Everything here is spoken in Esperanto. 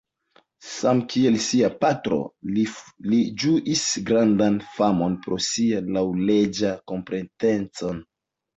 Samkiel sia patro, li ĝuis grandan famon pro sia laŭleĝa kompetenteco.